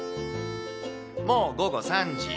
もう午後３時。